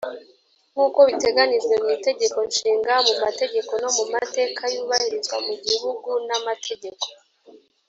nk uko biteganijwe mu itegeko nshinga mu mategeko no mu mateka yubahirizwa mu gihugu n amategeko